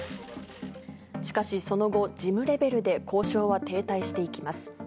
しかしその後、事務レベルで交渉は停滞していきます。